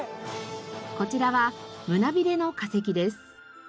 こちらは胸びれの化石です。